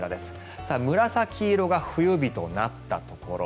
紫色が冬日となったところ。